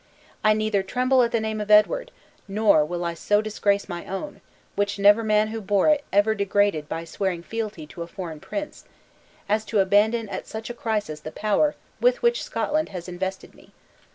I neither tremble at the name of Edward, nor will I so disgrace my own (which never man who bore it ever degraded by swearing fealty to a foreign prince), as to abandon at such a crisis the power with which Scotland has invested me.